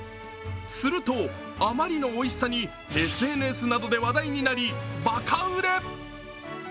すると、あまりのおいしさにＳＮＳなどで話題になりばか売れ。